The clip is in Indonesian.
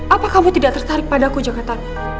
apakah kamu tidak tertarik padaku jakarta